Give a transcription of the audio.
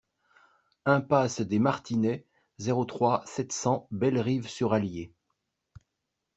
Impasse des Martinets, zéro trois, sept cents Bellerive-sur-Allier